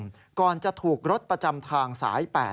หลักล้มลงก่อนจะถูกรถประจำทางสายแปด